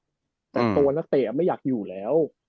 เพราะว่านักเตะไม่อยากอยู่แล้ว